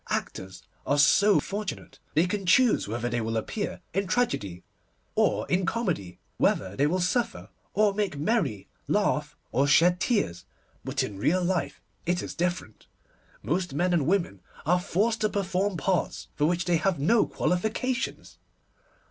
Actors are so fortunate. They can choose whether they will appear in tragedy or in comedy, whether they will suffer or make merry, laugh or shed tears. But in real life it is different. Most men and women are forced to perform parts for which they have no qualifications.